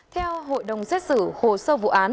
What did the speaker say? theo hội đồng xét xử hồ sơ vụ án